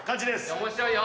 面白いよ。